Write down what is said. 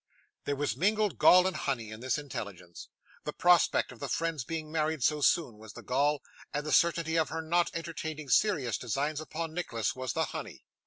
There was mingled gall and honey in this intelligence. The prospect of the friend's being married so soon was the gall, and the certainty of her not entertaining serious designs upon Nicholas was the honey.